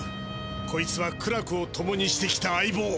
こいつは苦楽をともにしてきた相ぼう。